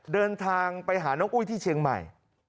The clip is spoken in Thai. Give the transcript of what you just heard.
เดินทางไปหาน้องอุ้ยที่เชียงใหม่